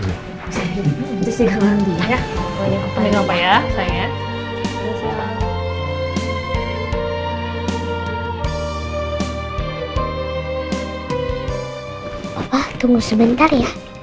alkitab melewati masalah letak bukaan apapun